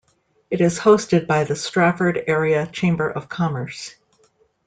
It is hosted by the Strafford Area Chamber of Commerce.